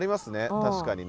確かにね。